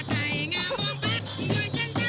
เชิญรับชมได้เลยค่ะ